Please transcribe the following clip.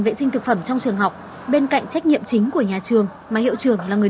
vệ sinh thực phẩm trong trường học bên cạnh trách nhiệm chính của nhà trường mà hiệu trưởng là người